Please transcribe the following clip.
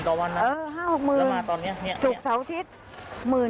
๕๖๐๐๐๐ต่อวันนะเออ๕๖๐๐๐๐สุกเสาร์อาทิตย์